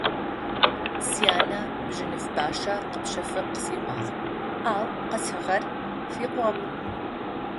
Сянэ бжьыныф бащэ къэпщэфыгъ къысиӏуагъ, ау къэсхьыгъэр фикъугъэп.